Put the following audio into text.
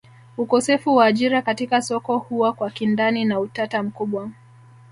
Ukosefu wa ajira katika soko huwa kwa kindani na utata mkubwa